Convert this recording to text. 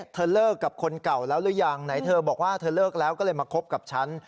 เธอเลิกกับคนเก่าแล้วหรือยังไหนเธอบอกว่าเธอเลิกแล้วก็เลยมาคบกับฉัน